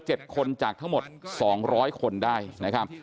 เจอ๗คนจากทั้งหมด๒๐๐คนได้นะครับ